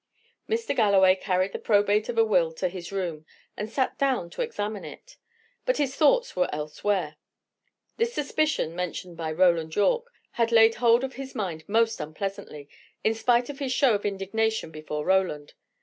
Mr. Galloway carried the probate of a will to his room, and sat down to examine it. But his thoughts were elsewhere. This suspicion, mentioned by Roland Yorke, had laid hold of his mind most unpleasantly, in spite of his show of indignation before Roland.